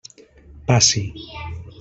Passi.